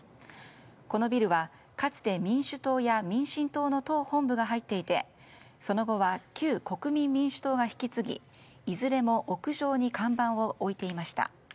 このビルは、かつて民主党や民進党の党本部が入っていてその後は旧国民民主党が引き継ぎいずれも屋上に看板を置いていました。